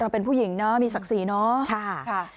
เป็นผู้หญิงเนอะมีศักดิ์ศรีเนาะ